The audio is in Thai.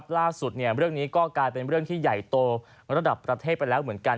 เรื่องนี้ก็กลายเป็นเรื่องที่ใหญ่โตระดับประเทศไปแล้วเหมือนกัน